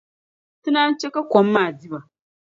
Ti naan chɛ ka kɔm maa di ba.